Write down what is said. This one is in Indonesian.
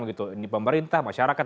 begitu ini pemerintah masyarakat